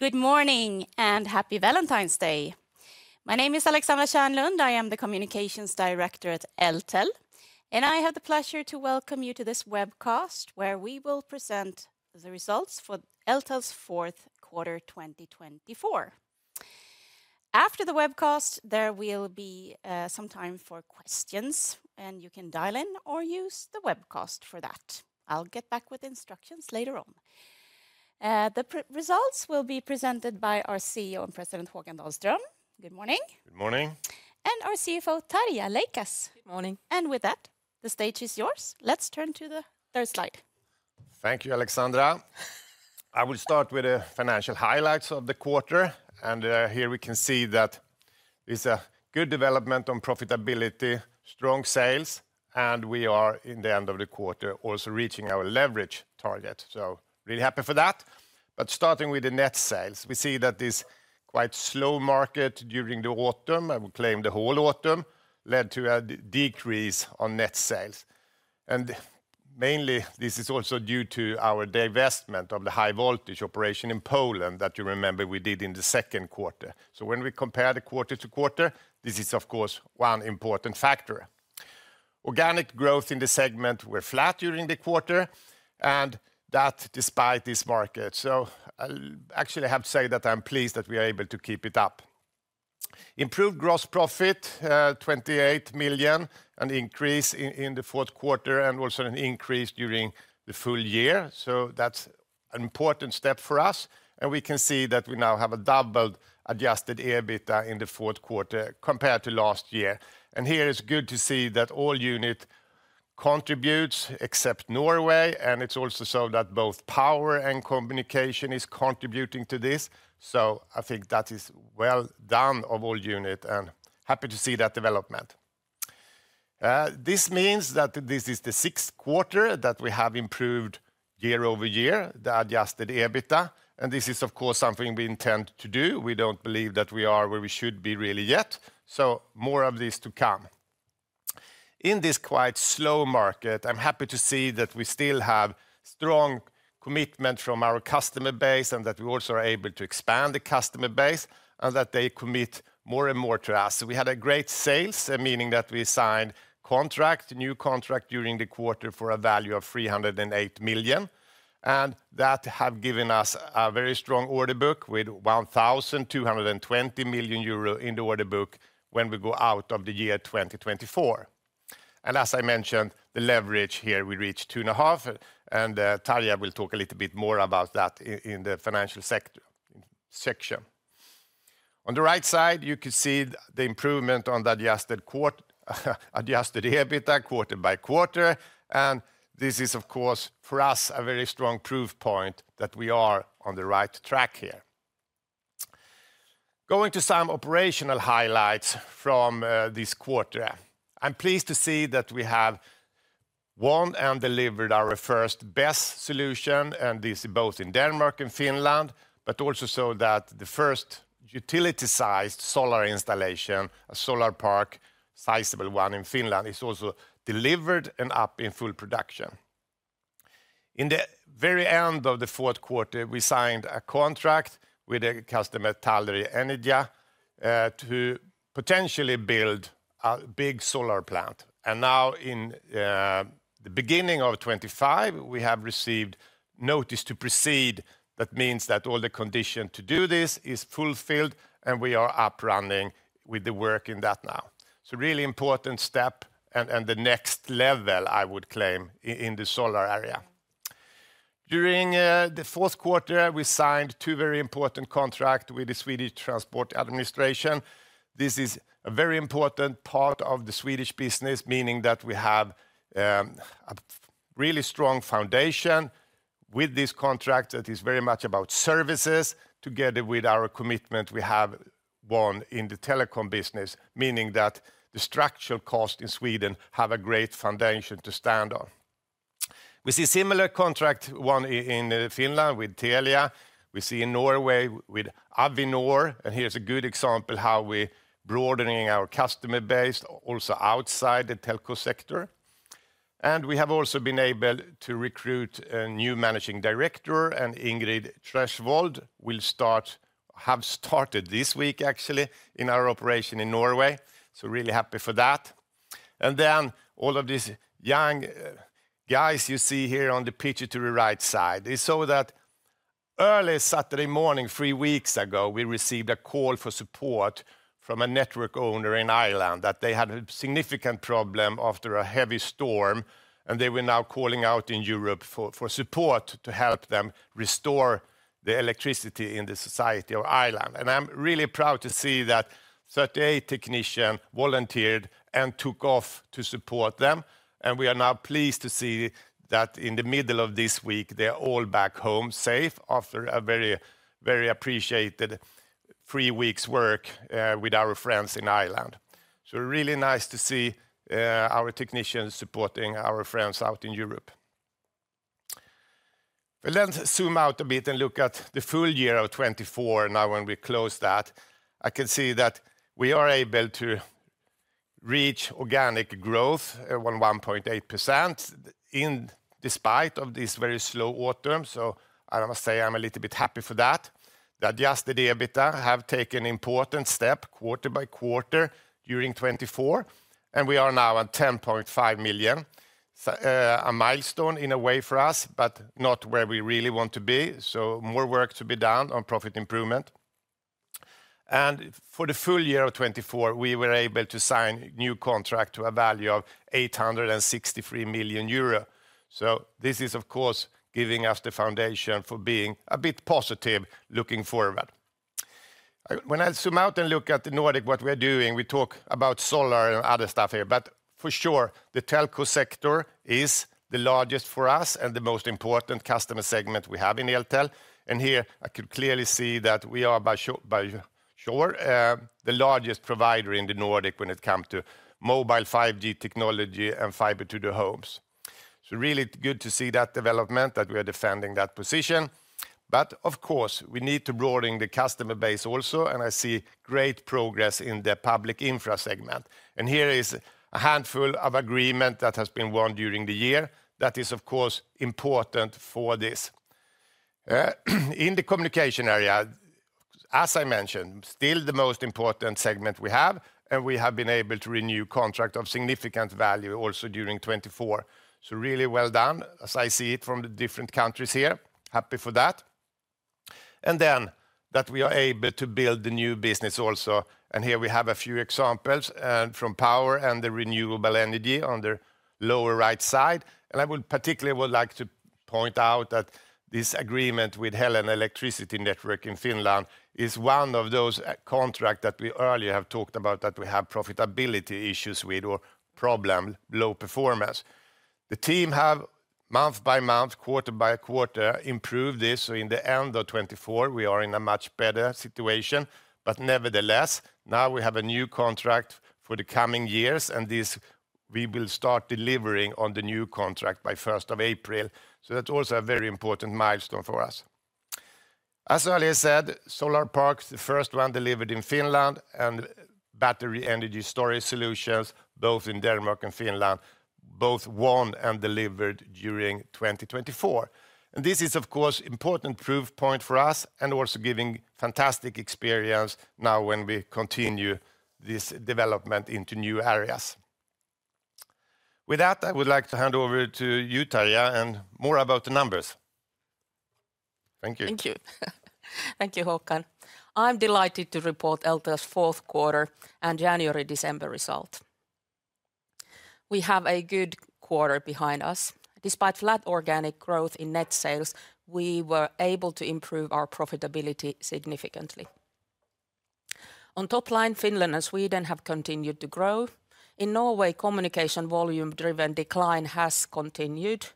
Good morning and happy Valentine's Day. My name is Alexandra Kärnlund. I am the Communications Director at Eltel, and I have the pleasure to welcome you to this webcast where we will present the results for Eltel's fourth quarter 2024. After the webcast, there will be some time for questions, and you can dial in or use the webcast for that. I'll get back with instructions later on. The results will be presented by our CEO and President Håkan Dahlström. Good morning. Good morning. Our CFO, Tarja Leikas. Good morning. With that, the stage is yours. Let's turn to the third slide. Thank you, Alexandra. I will start with the financial highlights of the quarter. Here we can see that there is a good development on profitability, strong sales, and we are in the end of the quarter also reaching our leverage target. Really happy for that. Starting with the net sales, we see that this quite slow market during the autumn, I would claim the whole autumn, led to a decrease on net sales. Mainly this is also due to our divestment of the high voltage operation in Poland that you remember we did in the second quarter. When we compare the quarter to quarter, this is of course one important factor. Organic growth in the segment were flat during the quarter, and that despite this market. Actually I have to say that I'm pleased that we are able to keep it up. Improved gross profit, 28 million, an increase in the fourth quarter and also an increase during the full year. That is an important step for us. We can see that we now have a doubled adjusted EBITDA in the fourth quarter compared to last year. Here it is good to see that all unit contributes except Norway. It is also so that both power and communication is contributing to this. I think that is well done of all unit and happy to see that development. This means that this is the sixth quarter that we have improved year-over-year, the adjusted EBITDA. This is of course something we intend to do. We do not believe that we are where we should be really yet. More of this to come. In this quite slow market, I'm happy to see that we still have strong commitment from our customer base and that we also are able to expand the customer base and that they commit more and more to us. We had a great sales, meaning that we signed contract, new contract during the quarter for a value of 308 million. That has given us a very strong order book with 1,220 million euro in the order book when we go out of the year 2024. As I mentioned, the leverage here we reached two and a half. Tarja will talk a little bit more about that in the financial section. On the right side, you could see the improvement on the adjusted quarter, adjusted EBITDA quarter-by-quarter. This is of course for us a very strong proof point that we are on the right track here. Going to some operational highlights from this quarter. I'm pleased to see that we have won and delivered our first BESS solution. This is both in Denmark and Finland, but also the first utility-sized solar installation, a solar park, a sizable one in Finland, is also delivered and up in full production. In the very end of the fourth quarter, we signed a contract with a customer, Taler Energia, to potentially build a big solar plant. Now in the beginning of 2025, we have received notice to proceed. That means that all the conditions to do this are fulfilled and we are up and running with the work in that now. Really important step and the next level, I would claim, in the solar area. During the fourth quarter, we signed two very important contracts with the Swedish Transport Administration. This is a very important part of the Swedish business, meaning that we have a really strong foundation with this contract that is very much about services. Together with our commitment, we have won in the telecom business, meaning that the structural cost in Sweden have a great foundation to stand on. We see similar contract won in Finland with Telia. We see in Norway with Avinor. Here is a good example how we are broadening our customer base also outside the telco sector. We have also been able to recruit a new Managing Director and Ingrid Treshwald will start, have started this week actually in our operation in Norway. Really happy for that. All of these young guys you see here on the picture to the right side is so that early Saturday morning, three weeks ago, we received a call for support from a network owner in Ireland that they had a significant problem after a heavy storm and they were now calling out in Europe for support to help them restore the electricity in the society of Ireland. I'm really proud to see that 38 technicians volunteered and took off to support them. We are now pleased to see that in the middle of this week, they're all back home safe after a very, very appreciated three weeks work with our friends in Ireland. Really nice to see our technicians supporting our friends out in Europe. Let's zoom out a bit and look at the full year of 2024. Now when we close that, I can see that we are able to reach organic growth of 1.8% in despite of this very slow autumn. I must say I'm a little bit happy for that. The adjusted EBITDA have taken important step quarter by quarter during 2024. We are now at 10.5 million, a milestone in a way for us, but not where we really want to be. More work to be done on profit improvement. For the full year of 2024, we were able to sign new contract to a value of 863 million euro. This is of course giving us the foundation for being a bit positive looking forward. When I zoom out and look at the Nordic, what we're doing, we talk about solar and other stuff here, but for sure the telco sector is the largest for us and the most important customer segment we have in Eltel. Here I could clearly see that we are by sure the largest provider in the Nordic when it comes to mobile 5G technology and fiber to the homes. Really good to see that development that we are defending that position. Of course we need to broaden the customer base also. I see great progress in the public infra segment. Here is a handful of agreement that has been won during the year that is of course important for this. In the communication area, as I mentioned, still the most important segment we have and we have been able to renew contract of significant value also during 2024. Really well done as I see it from the different countries here. Happy for that. That we are able to build the new business also. Here we have a few examples from power and the renewable energy on the lower right side. I would particularly like to point out that this agreement with Helen Electricity Network in Finland is one of those contract that we earlier have talked about that we have profitability issues with or problem, low performance. The team have month by month, quarter by quarter improved this. In the end of 2024, we are in a much better situation. Nevertheless, now we have a new contract for the coming years. We will start delivering on the new contract by 1 April. That is also a very important milestone for us. As earlier said, solar parks, the first one delivered in Finland, and battery energy storage solutions both in Denmark and Finland, both won and delivered during 2024. This is of course an important proof point for us and also gives fantastic experience now as we continue this development into new areas. With that, I would like to hand over to you, Tarja, and more about the numbers. Thank you. Thank you. Thank you, Håkan. I'm delighted to report Eltel's fourth quarter and January-December result. We have a good quarter behind us. Despite flat organic growth in net sales, we were able to improve our profitability significantly. On top line, Finland and Sweden have continued to grow. In Norway, communication volume driven decline has continued.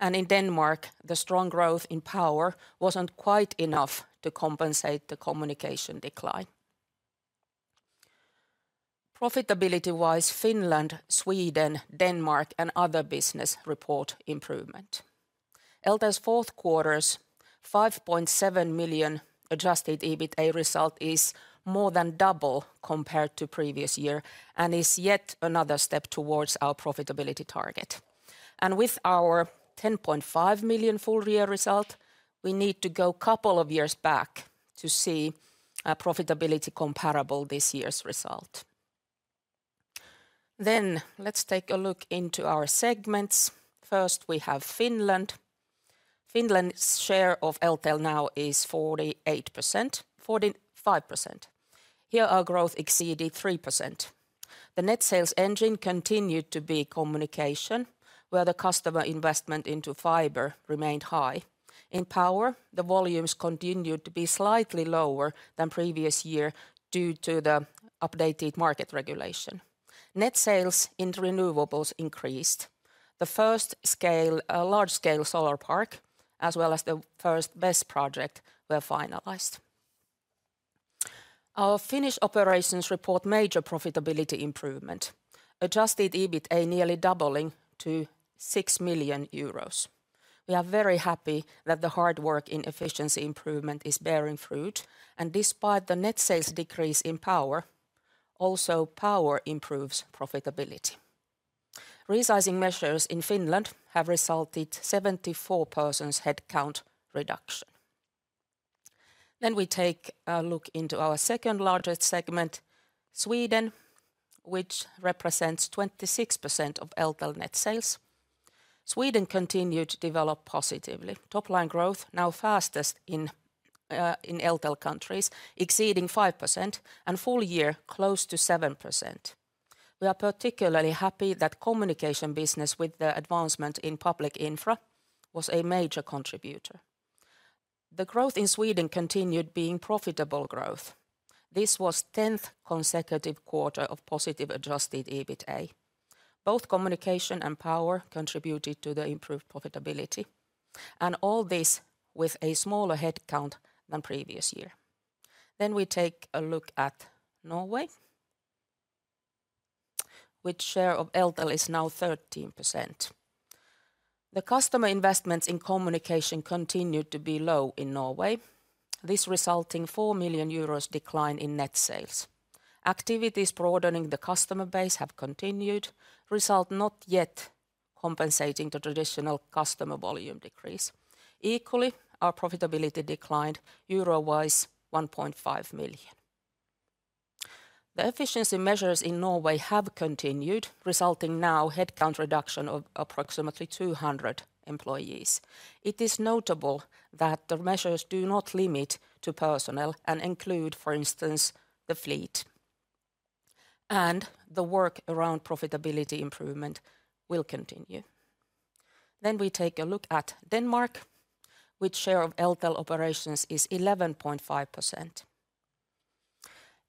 In Denmark, the strong growth in power was not quite enough to compensate the communication decline. Profitability wise, Finland, Sweden, Denmark, and other business report improvement. Eltel's fourth quarter's 5.7 million adjusted EBITDA result is more than double compared to previous year and is yet another step towards our profitability target. With our 10.5 million full year result, we need to go a couple of years back to see a profitability comparable to this year's result. Let's take a look into our segments. First, we have Finland. Finland's share of Eltel now is 48%, 45%. Here our growth exceeded 3%. The net sales engine continued to be communication, where the customer investment into fiber remained high. In power, the volumes continued to be slightly lower than previous year due to the updated market regulation. Net sales in renewables increased. The first large scale solar park, as well as the first BESS project, were finalized. Our Finnish operations report major profitability improvement. Adjusted EBITDA nearly doubling to 6 million euros. We are very happy that the hard work in efficiency improvement is bearing fruit. Despite the net sales decrease in power, also power improves profitability. Resizing measures in Finland have resulted in 74 persons headcount reduction. We take a look into our second largest segment, Sweden, which represents 26% of Eltel net sales. Sweden continued to develop positively. Top line growth now fastest in Eltel countries, exceeding 5% and full year close to 7%. We are particularly happy that communication business with the advancement in public infra was a major contributor. The growth in Sweden continued being profitable growth. This was 10th consecutive quarter of positive adjusted EBITDA. Both communication and power contributed to the improved profitability. All this with a smaller headcount than previous year. We take a look at Norway. With share of Eltel is now 13%. The customer investments in communication continued to be low in Norway. This resulting 4 million euros decline in net sales. Activities broadening the customer base have continued, result not yet compensating the traditional customer volume decrease. Equally, our profitability declined euro wise 1.5 million. The efficiency measures in Norway have continued, resulting now headcount reduction of approximately 200 employees. It is notable that the measures do not limit to personel and include, for instance, the fleet. The work around profitability improvement will continue. We take a look at Denmark, which share of Eltel operations is 11.5%.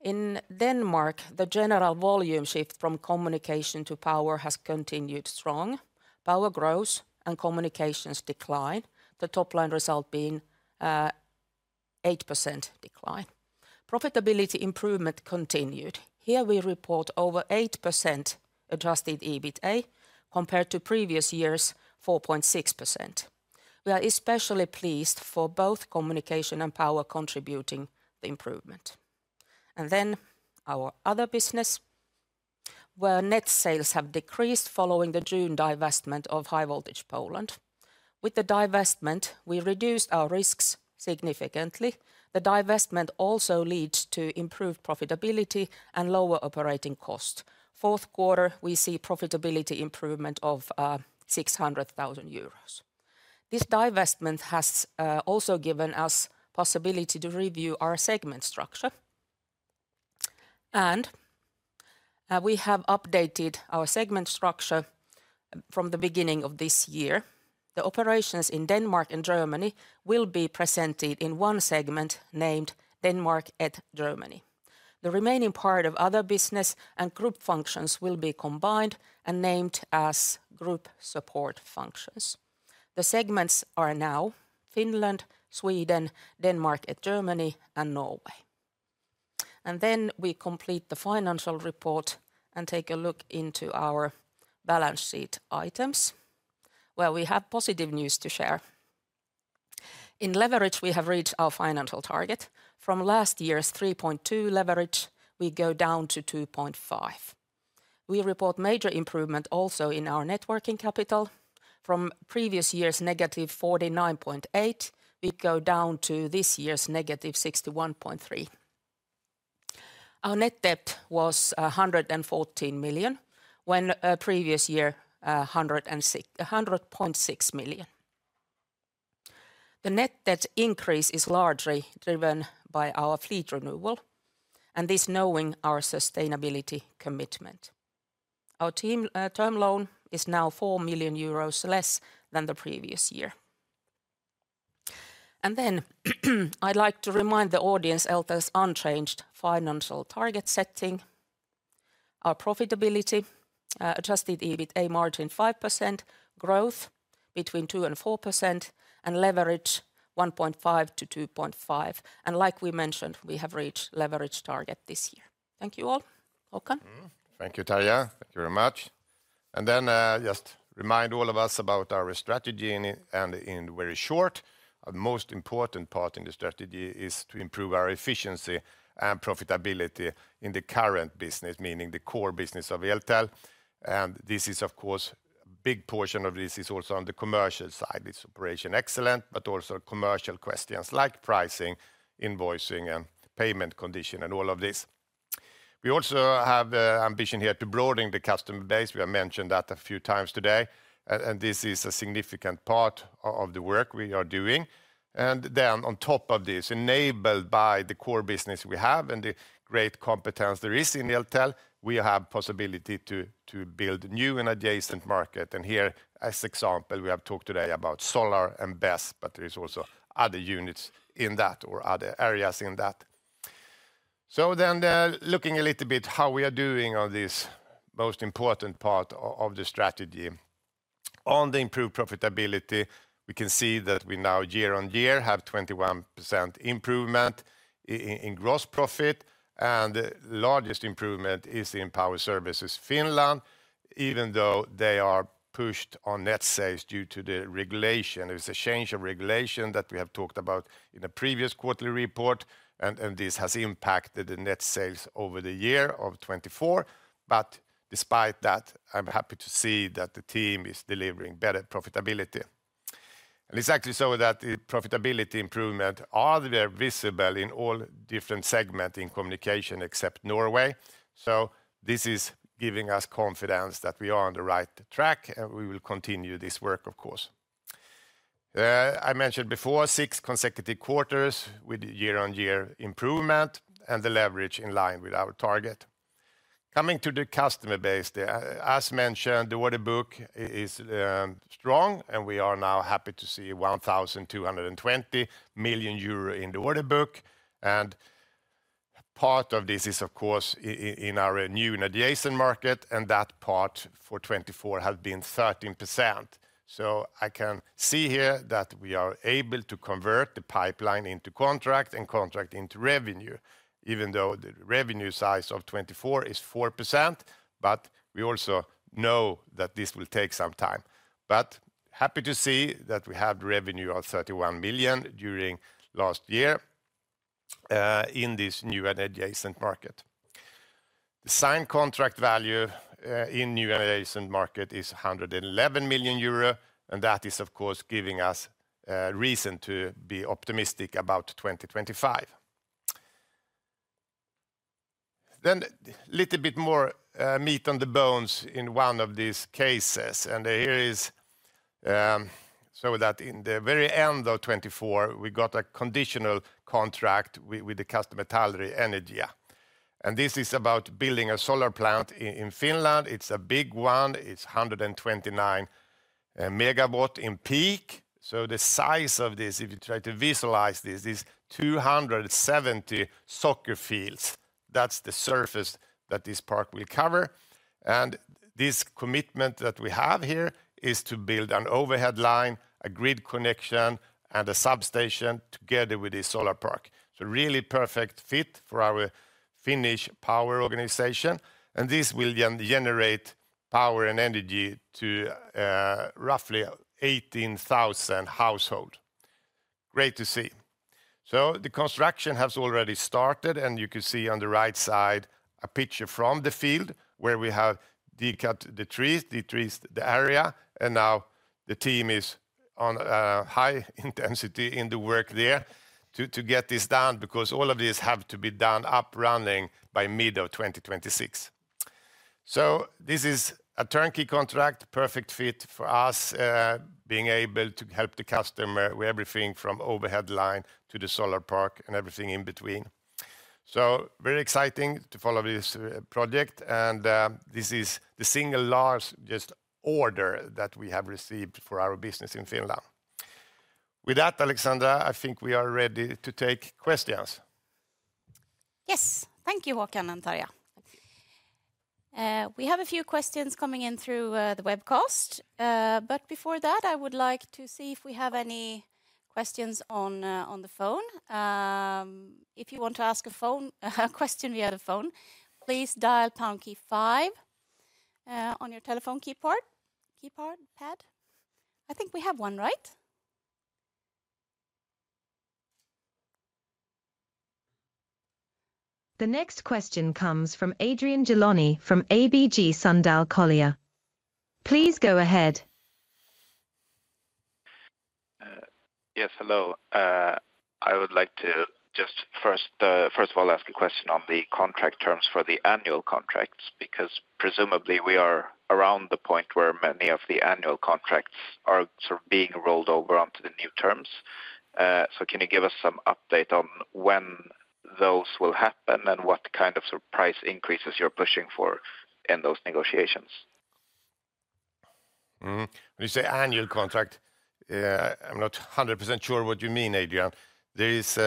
In Denmark, the general volume shift from communication to power has continued strong. Power grows and communications decline. The top line result being 8% decline. Profitability improvement continued. Here we report over 8% adjusted EBITDA compared to previous year's 4.6%. We are especially pleased for both communication and power contributing the improvement. Our other business, where net sales have decreased following the June divestment of High Voltage Poland. With the divestment, we reduced our risks significantly. The divestment also leads to improved profitability and lower operating cost. Fourth quarter, we see profitability improvement of 600,000 euros. This divestment has also given us possibility to review our segment structure. We have updated our segment structure from the beginning of this year. The operations in Denmark and Germany will be presented in one segment named Denmark & Germany. The remaining part of other business and group functions will be combined and named as Group Support Functions. The segments are now Finland, Sweden, Denmark & Germany, and Norway. We complete the financial report and take a look into our balance sheet items, where we have positive news to share. In leverage, we have reached our financial target. From last year's 3.2 leverage, we go down to 2.5. We report major improvement also in our net working capital. From previous year's negative 49.8 million, we go down to this year's negative 61.3 million. Our net debt was 114 million when previous year 100.6 million. The net debt increase is largely driven by our fleet renewal and this knowing our sustainability commitment. Our term loan is now 4 million euros less than the previous year. I would like to remind the audience of Eltel's unchanged financial target setting. Our profitability, adjusted EBITDA margin 5%, growth between 2-4%, and leverage 1.5-2.5. Like we mentioned, we have reached leverage target this year. Thank you all, Håkan. Thank you, Tarja. Thank you very much. Just remind all of us about our strategy. In very short, the most important part in the strategy is to improve our efficiency and profitability in the current business, meaning the core business of Eltel. This is of course a big portion of this and is also on the commercial side. It is operational excellence, but also commercial questions like pricing, invoicing, and payment condition and all of this. We also have an ambition here to broaden the customer base. We have mentioned that a few times today. This is a significant part of the work we are doing. On top of this, enabled by the core business we have and the great competence there is in Eltel, we have possibility to build new and adjacent market. Here as example, we have talked today about solar and BESS, but there is also other units in that or other areas in that. Looking a little bit at how we are doing on this most important part of the strategy, on the improved profitability, we can see that we now year-on-year have 21% improvement in gross profit. The largest improvement is in power services Finland, even though they are pushed on net sales due to the regulation. There is a change of regulation that we have talked about in the previous quarterly report. This has impacted the net sales over the year of 2024. Despite that, I'm happy to see that the team is delivering better profitability. It's actually so that the profitability improvement is very visible in all different segments in communication except Norway. This is giving us confidence that we are on the right track and we will continue this work of course. I mentioned before six consecutive quarters with year-on-year improvement and the leverage in line with our target. Coming to the customer base, as mentioned, the order book is strong and we are now happy to see 1,220 million euro in the order book. Part of this is of course in our new and adjacent market and that part for 2024 has been 13%. I can see here that we are able to convert the pipeline into contract and contract into revenue, even though the revenue size of 2024 is 4%. We also know that this will take some time. Happy to see that we have revenue of 31 million during last year in this new and adjacent market. The signed contract value in new and adjacent market is 111 million euro. That is of course giving us reason to be optimistic about 2025. A little bit more meat on the bones in one of these cases. Here is so that in the very end of 2024, we got a conditional contract with the customer Taler Energia. This is about building a solar plant in Finland. It's a big one. It's 129 MW in peak. The size of this, if you try to visualize this, is 270 soccer fields. That's the surface that this park will cover. This commitment that we have here is to build an overhead line, a grid connection, and a substation together with this solar park. Really perfect fit for our Finnish power organization. This will generate power and energy to roughly 18,000 households. Great to see. The construction has already started and you can see on the right side a picture from the field where we have cut the trees, decreased the area. Now the team is on high intensity in the work there to get this done because all of this has to be done up running by mid of 2026. This is a turnkey contract, perfect fit for us being able to help the customer with everything from overhead line to the solar park and everything in between. Very exciting to follow this project. This is the single largest order that we have received for our business in Finland. With that, Alexandra, I think we are ready to take questions. Yes, thank you, Håkan and Tarja. We have a few questions coming in through the webcast. Before that, I would like to see if we have any questions on the phone. If you want to ask a question via the phone, please dial pound key five on your telephone keypad. I think we have one, right? The next question comes from Adrian Gilani from ABG Sundal Collier. Please go ahead. Yes, hello. I would like to just first of all ask a question on the contract terms for the annual contracts because presumably we are around the point where many of the annual contracts are sort of being rolled over onto the new terms. Can you give us some update on when those will happen and what kind of sort of price increases you're pushing for in those negotiations? When you say annual contract, I'm not 100% sure what you mean, Adrian. There is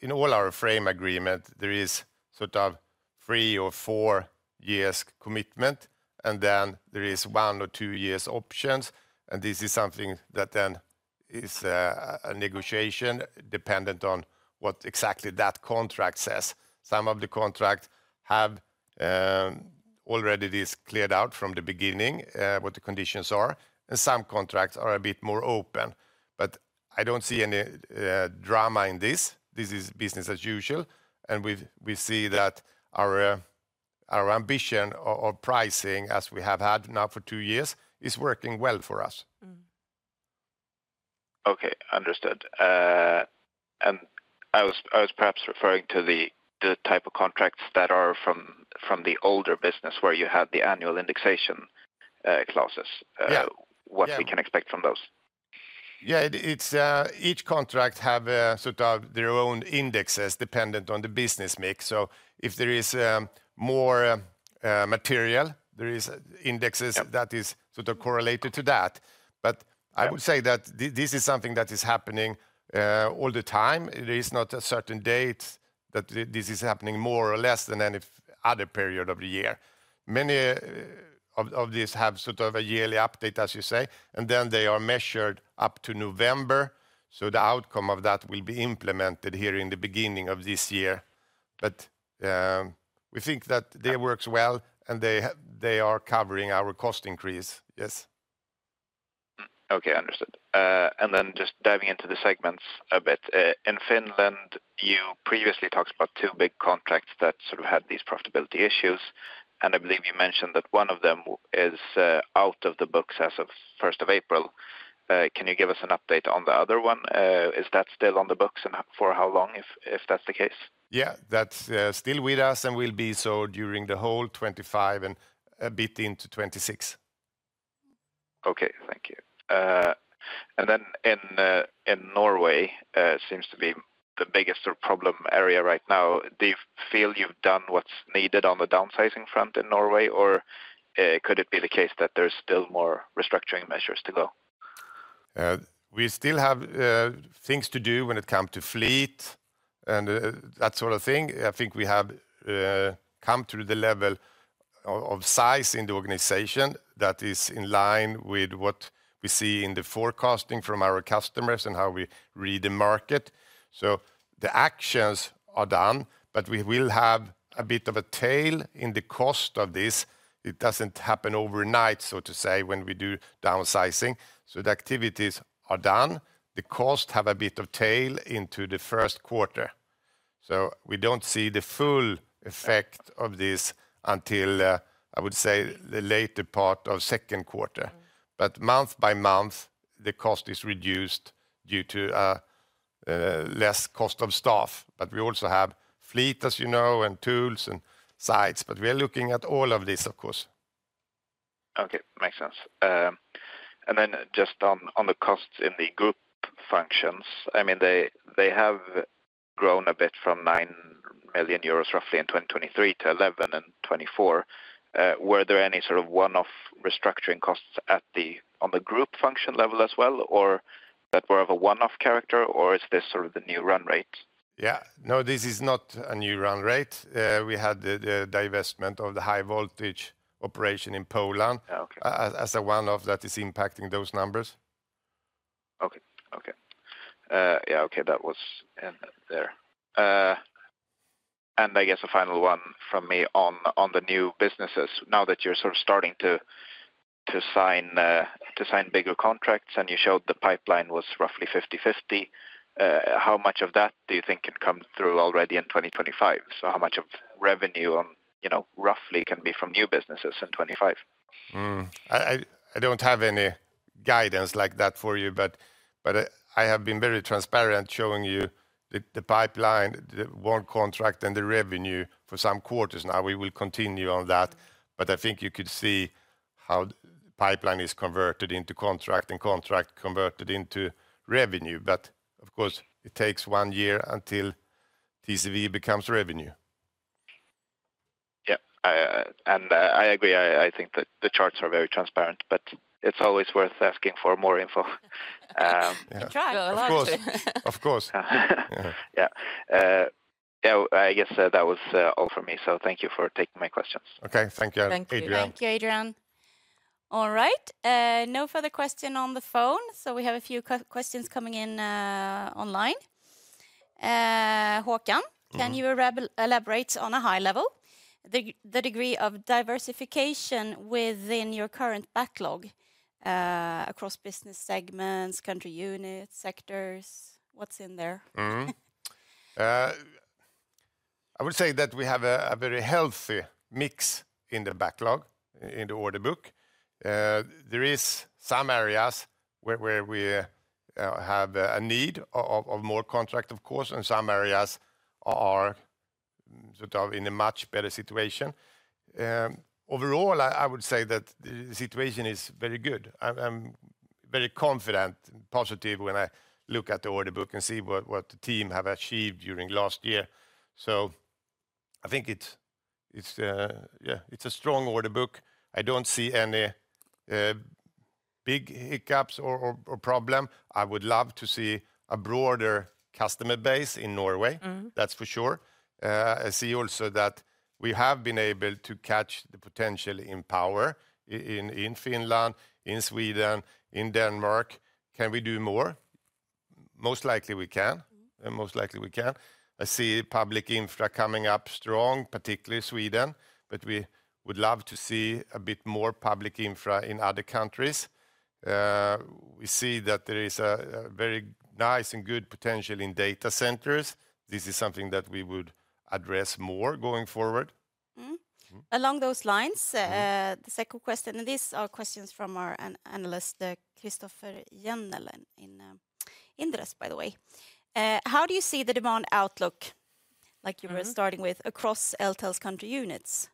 in all our frame agreement, there is sort of three or four years commitment. Then there is one or two years options. This is something that then is a negotiation dependent on what exactly that contract says. Some of the contract have already this cleared out from the beginning what the conditions are. Some contracts are a bit more open. I don't see any drama in this. This is business as usual. We see that our ambition of pricing as we have had now for two years is working well for us. Okay, understood. I was perhaps referring to the type of contracts that are from the older business where you have the annual indexation clauses. What can we expect from those? Yeah, each contract has sort of their own indexes dependent on the business mix. If there is more material, there are indexes that are sort of correlated to that. I would say that this is something that is happening all the time. There is not a certain date that this is happening more or less than any other period of the year. Many of these have sort of a yearly update, as you say. They are measured up to November. The outcome of that will be implemented here in the beginning of this year. We think that they work well and they are covering our cost increase. Yes. Okay, understood. Just diving into the segments a bit. In Finland, you previously talked about two big contracts that sort of had these profitability issues. I believe you mentioned that one of them is out of the books as of 1st of April. Can you give us an update on the other one? Is that still on the books and for how long if that's the case? Yeah, that's still with us and will be so during the whole 2025 and a bit into 2026. Okay, thank you. In Norway, it seems to be the biggest problem area right now. Do you feel you've done what's needed on the downsizing front in Norway, or could it be the case that there's still more restructuring measures to go? We still have things to do when it comes to fleet and that sort of thing. I think we have come to the level of size in the organization that is in line with what we see in the forecasting from our customers and how we read the market. The actions are done, but we will have a bit of a tail in the cost of this. It does not happen overnight, so to say, when we do downsizing. The activities are done. The costs have a bit of tail into the first quarter. We do not see the full effect of this until, I would say, the later part of second quarter. Month by month, the cost is reduced due to less cost of staff. We also have fleet, as you know, and tools and sites. We are looking at all of this, of course. Okay, makes sense. I mean, just on the costs in the group functions, they have grown a bit from 9 million euros roughly in 2023 to 11 million in 2024. Were there any sort of one-off restructuring costs on the group function level as well, or that were of a one-off character, or is this sort of the new run rate? Yeah, no, this is not a new run rate. We had the divestment of the high voltage operation in Poland as a one-off that is impacting those numbers. Okay, okay. Yeah, okay, that was in there. I guess a final one from me on the new businesses. Now that you're sort of starting to sign bigger contracts and you showed the pipeline was roughly 50-50, how much of that do you think can come through already in 2025? How much of revenue roughly can be from new businesses in 2025? I don't have any guidance like that for you, but I have been very transparent showing you the pipeline, the one contract, and the revenue for some quarters now. We will continue on that. I think you could see how the pipeline is converted into contract and contract converted into revenue. Of course, it takes one year until TCV becomes revenue. Yeah, and I agree. I think that the charts are very transparent, but it's always worth asking for more info. Try. Of course. Of course. Yeah, I guess that was all from me. Thank you for taking my questions. Okay, thank you, Adrian. Thank you, Adrian. All right, no further question on the phone. We have a few questions coming in online. Håkan, can you elaborate on a high level the degree of diversification within your current backlog across business segments, country units, sectors? What's in there? I would say that we have a very healthy mix in the backlog in the order book. There are some areas where we have a need of more contract, of course, and some areas are sort of in a much better situation. Overall, I would say that the situation is very good. I'm very confident, positive when I look at the order book and see what the team have achieved during last year. I think it's a strong order book. I don't see any big hiccups or problem. I would love to see a broader customer base in Norway, that's for sure. I see also that we have been able to catch the potential in power in Finland, in Sweden, in Denmark. Can we do more? Most likely we can. Most likely we can. I see public infra coming up strong, particularly Sweden, but we would love to see a bit more public infra in other countries. We see that there is a very nice and good potential in data centers. This is something that we would address more going forward. Along those lines, the second question, and these are questions from our analyst, Christoffer Jennel in Inderes, by the way. How do you see the demand outlook, like you were starting with, across Eltel's country units?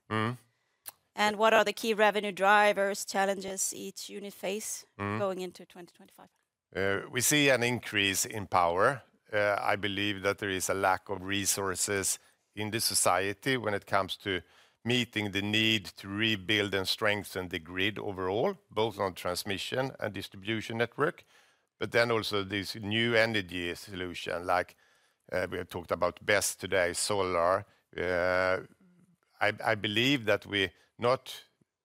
And what are the key revenue drivers, challenges each unit face going into 2025? We see an increase in power. I believe that there is a lack of resources in the society when it comes to meeting the need to rebuild and strengthen the grid overall, both on transmission and distribution network. Also these new energy solutions, like we have talked about BESS today, solar. I believe that we not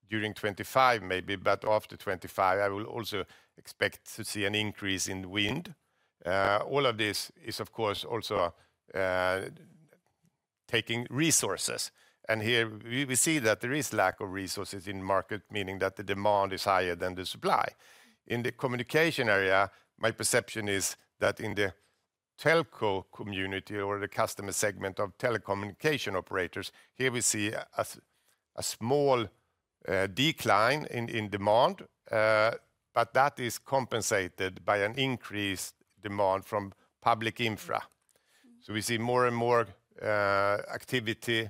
during 2025 maybe, but after 2025, I will also expect to see an increase in wind. All of this is, of course, also taking resources. Here we see that there is a lack of resources in market, meaning that the demand is higher than the supply. In the communication area, my perception is that in the telco community or the customer segment of telecommunication operators, here we see a small decline in demand, but that is compensated by an increased demand from public infra. We see more and more activity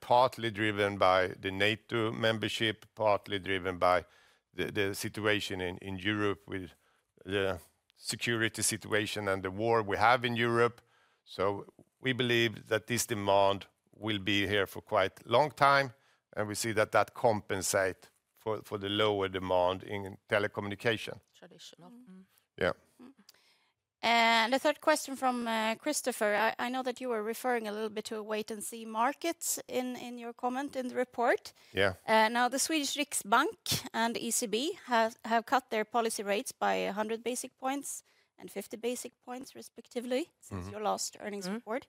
partly driven by the NATO membership, partly driven by the situation in Europe with the security situation and the war we have in Europe. We believe that this demand will be here for quite a long time. We see that that compensates for the lower demand in telecommunication. Traditional. Yeah. The third question from Christoffer, I know that you were referring a little bit to a wait-and-see market in your comment in the report. Now, the Swedish Riksbank and ECB have cut their policy rates by 100 basis points and 50 basis points respectively since your last earnings report.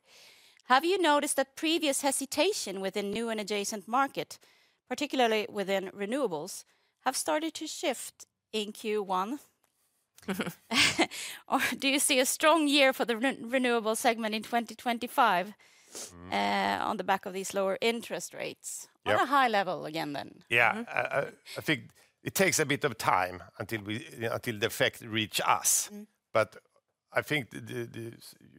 Have you noticed that previous hesitation within new and adjacent markets, particularly within renewables, has started to shift in Q1? Do you see a strong year for the renewable segment in 2025 on the back of these lower interest rates? On a high level again then. Yeah, I think it takes a bit of time until the effect reaches us. I think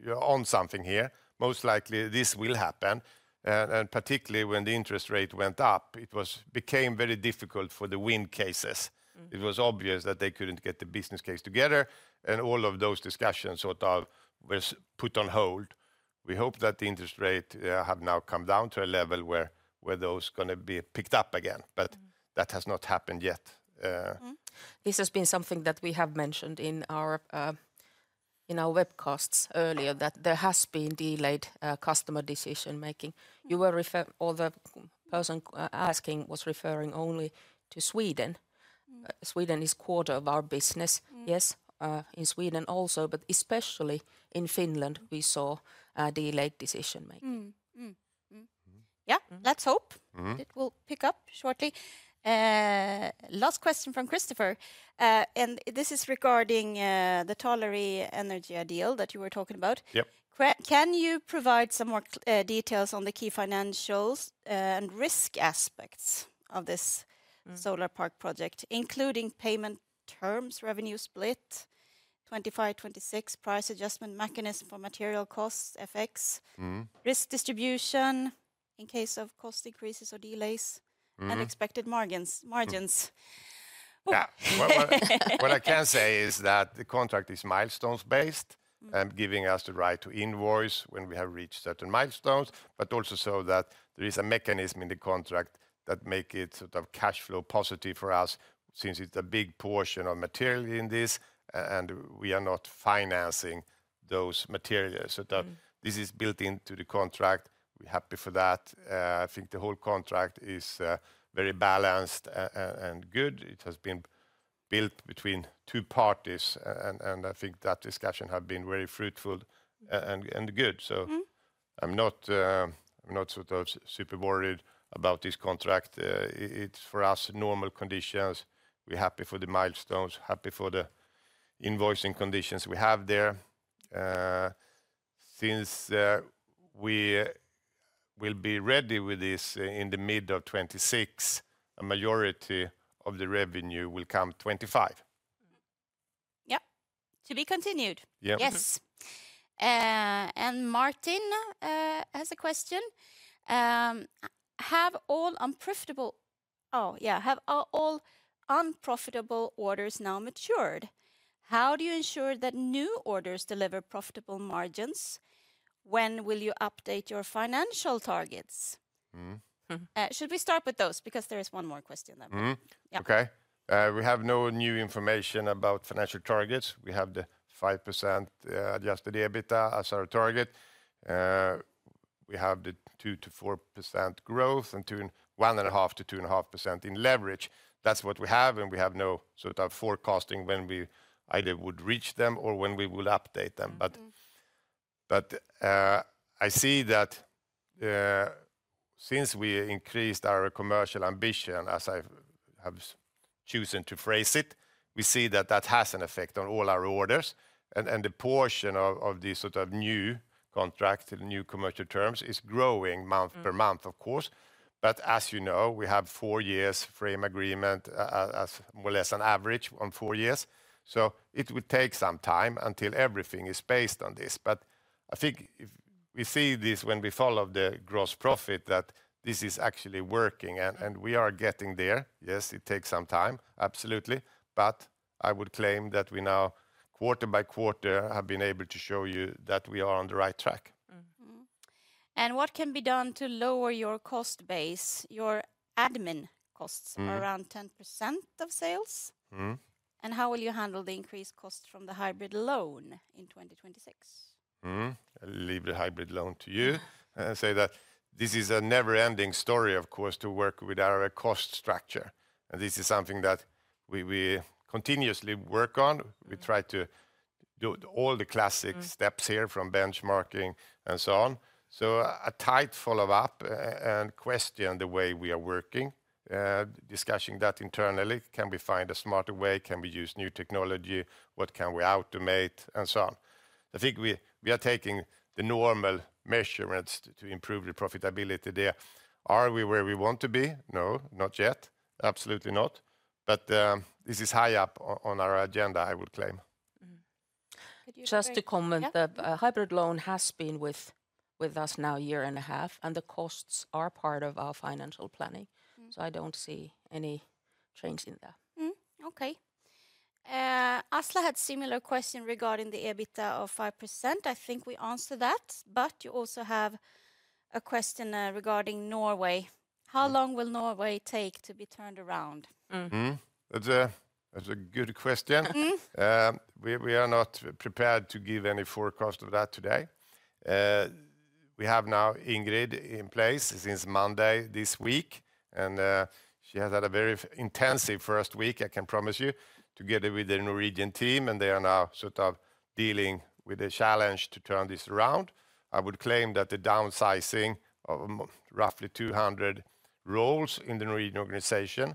you're on something here. Most likely this will happen. Particularly when the interest rate went up, it became very difficult for the wind cases. It was obvious that they couldn't get the business case together. All of those discussions sort of were put on hold. We hope that the interest rate has now come down to a level where those are going to be picked up again. That has not happened yet. This has been something that we have mentioned in our webcasts earlier, that there has been delayed customer decision-making. You were referring, or the person asking was referring, only to Sweden. Sweden is a quarter of our business. Yes, in Sweden also, but especially in Finland, we saw delayed decision-making. Yeah, let's hope it will pick up shortly. Last question from Christoffer. And this is regarding the Taler Energia deal that you were talking about. Can you provide some more details on the key financials and risk aspects of this solar park project, including payment terms, revenue split, 2025-2026 price adjustment mechanism for material costs effects, risk distribution in case of cost increases or delays, and expected margins? What I can say is that the contract is milestones-based and giving us the right to invoice when we have reached certain milestones, but also so that there is a mechanism in the contract that makes it sort of cash flow positive for us since it's a big portion of material in this and we are not financing those materials. This is built into the contract. We're happy for that. I think the whole contract is very balanced and good. It has been built between two parties. I think that discussion has been very fruitful and good. I'm not sort of super worried about this contract. It's for us normal conditions. We're happy for the milestones, happy for the invoicing conditions we have there. Since we will be ready with this in the mid of 2026, a majority of the revenue will come 2025. Yep, to be continued. Yes. Martin has a question. Have all unprofitable orders now matured? How do you ensure that new orders deliver profitable margins? When will you update your financial targets? Should we start with those? Because there is one more question that we have. Okay. We have no new information about financial targets. We have the 5% adjusted EBITDA as our target. We have the 2-4% growth and 1.5-2.5% in leverage. That is what we have. We have no sort of forecasting when we either would reach them or when we would update them. I see that since we increased our commercial ambition, as I have chosen to phrase it, we see that that has an effect on all our orders. The portion of these sort of new contracts, new commercial terms is growing month by month, of course. As you know, we have four years frame agreement as more or less an average on four years. It will take some time until everything is based on this. I think we see this when we follow the gross profit that this is actually working and we are getting there. Yes, it takes some time, absolutely. I would claim that we now, quarter by quarter, have been able to show you that we are on the right track. What can be done to lower your cost base, your admin costs around 10% of sales? How will you handle the increased costs from the hybrid loan in 2026? I'll leave the hybrid loan to you and say that this is a never-ending story, of course, to work with our cost structure. This is something that we continuously work on. We try to do all the classic steps here from benchmarking and so on. A tight follow-up and question the way we are working, discussing that internally. Can we find a smarter way? Can we use new technology? What can we automate and so on? I think we are taking the normal measurements to improve the profitability there. Are we where we want to be? No, not yet. Absolutely not. This is high up on our agenda, I would claim. Just to comment, the hybrid loan has been with us now a year and a half, and the costs are part of our financial planning. I do not see any change in that. Okay. Asla had a similar question regarding the EBITDA of 5%. I think we answered that. You also have a question regarding Norway. How long will Norway take to be turned around? That's a good question. We are not prepared to give any forecast of that today. We have now Ingrid in place since Monday this week. She has had a very intensive first week, I can promise you, together with the Norwegian team. They are now sort of dealing with the challenge to turn this around. I would claim that the downsizing of roughly 200 roles in the Norwegian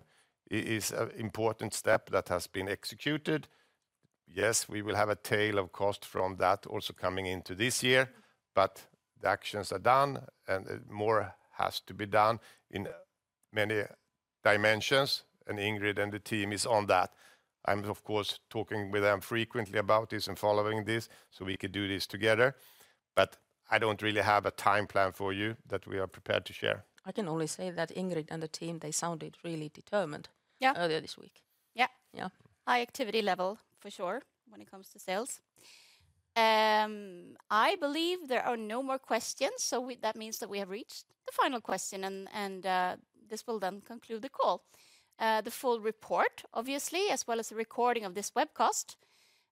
organization is an important step that has been executed. Yes, we will have a tail of cost from that also coming into this year. The actions are done and more has to be done in many dimensions. Ingrid and the team are on that. I'm, of course, talking with them frequently about this and following this so we could do this together. I don't really have a time plan for you that we are prepared to share. I can only say that Ingrid and the team, they sounded really determined earlier this week. Yeah. Yeah. High activity level for sure when it comes to sales. I believe there are no more questions. That means that we have reached the final question. This will then conclude the call. The full report, obviously, as well as the recording of this webcast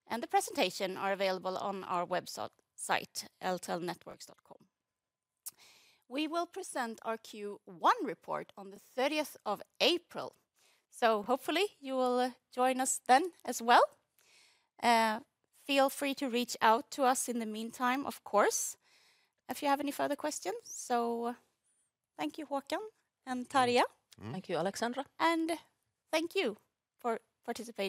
and the presentation are available on our website, eltelnetworks.com. We will present our Q1 report on the 30th of April. Hopefully you will join us then as well. Feel free to reach out to us in the meantime, of course, if you have any further questions. Thank you, Håkan and Tarja. Thank you, Alexandra. Thank you for participating.